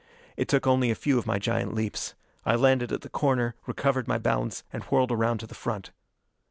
It took only a few of my giant leaps. I landed at the corner, recovered my balance, and whirled around to the front.